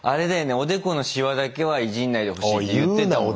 おでこのシワだけはイジんないでほしいって言ってたもんね。